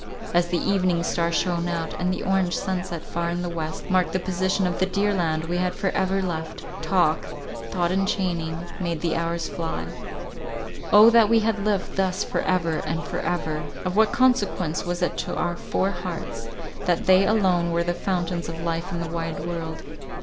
As the evening star shone out, and the orange sunset, far in the west, marked the position of the dear land we had for ever left, talk, thought enchaining, made the hours fly—O that we had lived thus for ever and for ever! Of what consequence was it to our four hearts, that they alone were the fountains of life in the wide world?